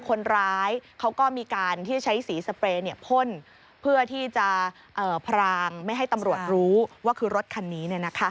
คนร้ายเขาก็มีการที่ใช้สีสเปรย์พ่นเพื่อที่จะพรางไม่ให้ตำรวจรู้ว่าคือรถคันนี้